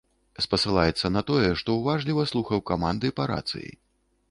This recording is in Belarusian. Спасылаецца на тое, што уважліва слухаў каманды па рацыі.